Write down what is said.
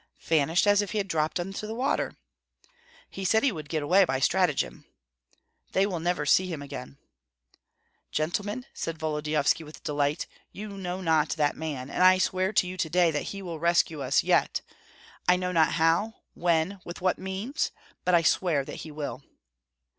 "Vanished as if he had dropped into water." "He said he would get away by stratagem." "They will never see him again!" "Gentlemen," said Volodyovski, with delight, "you know not that man; and I swear to you to day that he will rescue us yet, I know not how, when, with what means, but I swear that he will."